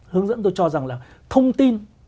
hướng dẫn tôi cho rằng là thông tin